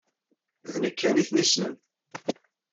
D nekk kan ay ten-yessnen.